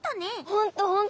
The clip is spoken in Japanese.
ほんとほんと。